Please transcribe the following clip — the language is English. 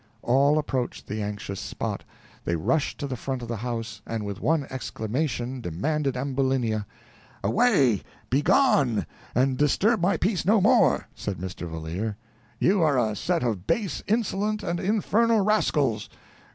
All approached the anxious spot; they rushed to the front of the house and, with one exclamation, demanded Ambulinia. "Away, begone, and disturb my peace no more," said Mr. Valeer. "You are a set of base, insolent, and infernal rascals.